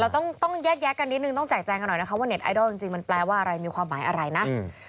เราต้องแยกแยะกันนิดนึงต้องแจกแจงกันหน่อยนะคะว่าเน็ตไอดอลจริงมันแปลว่าอะไรมีความหมายอะไรนะ